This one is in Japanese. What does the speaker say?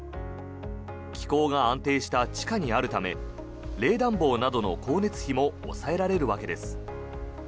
気候が安定した地下にあるため冷暖房などの光熱費も抑えられるわけです。